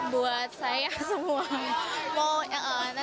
buat saya semua